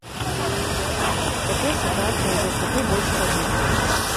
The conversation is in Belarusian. Цяпер сітуацыя ўжо куды больш стабільная.